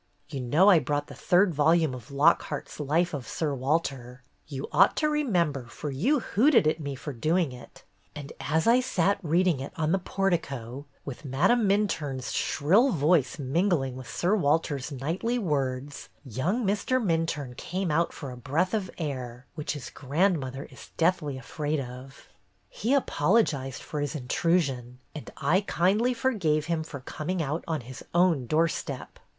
You know I brought the third volume of Lockhart's Life of Sir Walter, — you ought to remember, for you hooted at me for doing it, — and as I sat reading it on the portico, 132 BETTY BAIRD'S GOLDEN YEAR with the Madame's shrill voice mingling with Sir Walter's knightly words, young Mr. Min turne came out for a breath of air, which his grandmother is deathly afraid of. He apolo gized for his intrusion, and I kindly forgave him for coming out on his own doorstep